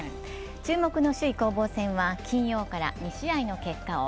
注目の首位攻防戦は金曜から２試合の結果を。